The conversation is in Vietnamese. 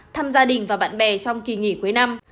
thăm gia đình và bạn bè trong kỳ nghỉ cuối năm